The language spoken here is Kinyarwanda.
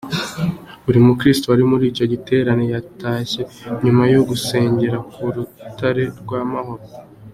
Buri mukristo wari muri icyo giterane, yatashye nyuma yo gusengera ku rukuta rw'amahoro.